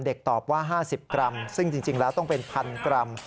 ตอบว่า๕๐กรัมซึ่งจริงแล้วต้องเป็นพันกรัม